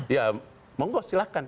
ya menggos silahkan